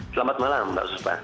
selamat malam mbak suspa